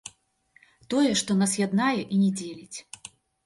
Тое, што нас яднае і не дзеліць.